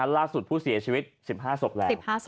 ล่าสุดผู้เสียชีวิต๑๕ศพแล้ว